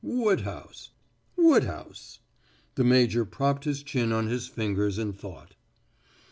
Woodhouse Woodhouse " The major propped his chin on his fingers in thought.